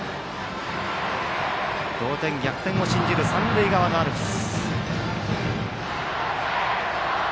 同点、逆転を信じる三塁側のアルプス。